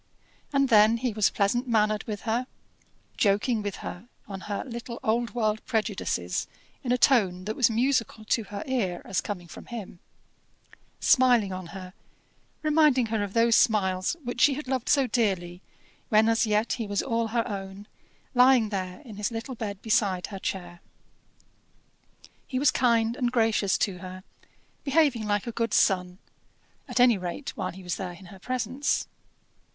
And then he was pleasant mannered with her; joking with her on her little old world prejudices in a tone that was musical to her ear as coming from him; smiling on her, reminding her of those smiles which she had loved so dearly when as yet he was all her own, lying there in his little bed beside her chair. He was kind and gracious to her, behaving like a good son, at any rate while he was there in her presence.